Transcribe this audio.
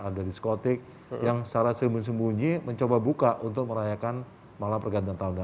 ada diskotik yang secara sembunyi sembunyi men unexpectedly mencoba buka untuk merayakan malam howghan petersburg okey